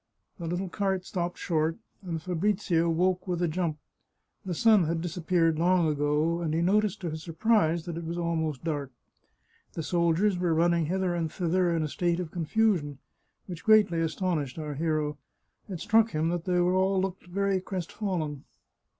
The little cart stopped short, and Fabrizio woke with a jump. The sun had disappeared long ago, and he noticed to his surprise that it was almost dark. The soldiers were running hither and thither in a state of confusion, which greatly astonished our hero. It struck him that they all looked very crestfallen.